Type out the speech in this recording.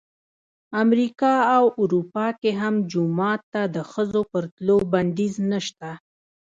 امریکا او اروپا کې هم جومات ته د ښځو پر تلو بندیز نه شته.